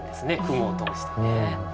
雲を通してね。